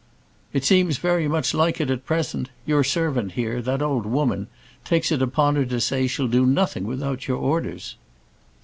"It seems very much like it at present. Your servant here that old woman takes it upon her to say she'll do nothing without your orders."